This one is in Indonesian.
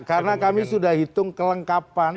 karena kami sudah hitung kelengkapan